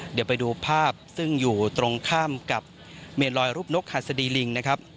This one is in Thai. เดี๋ยวไปดูภาพซึ่งอยู่ตรงข้ามกับเมนลอยรูปนกหัสดีลิงนะครับ